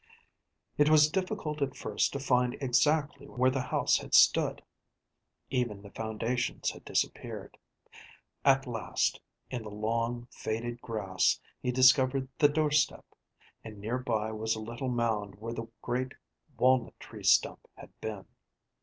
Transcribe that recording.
It was difficult at first to find exactly where the house had stood; even the foundations had disappeared. At last in the long, faded grass he discovered the doorstep, and near by was a little mound where the great walnut tree stump had been.